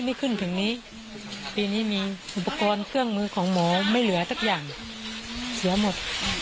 ไม่ขึ้นถึงนี้ปีนี้มีอุปกรณ์เครื่องมือของหมอไม่เหลือสักอย่างเสียหมด